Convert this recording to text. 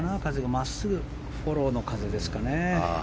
真っすぐフォローの風ですかね。